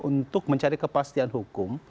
untuk mencari kepastian hukum